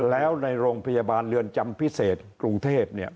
แล้วในโรงพยาบาลเรือนจำพิเศษกรุงเทพเนี่ย